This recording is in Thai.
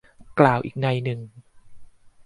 กล่าวอีกนัยหนึ่ง